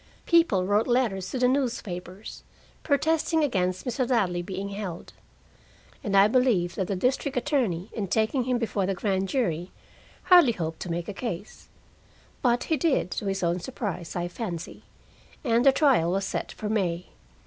People wrote letters to the newspapers, protesting against Mr. Ladley being held. And I believe that the district attorney, in taking him before the grand jury, hardly hoped to make a case. But he did, to his own surprise, I fancy, and the trial was set for May.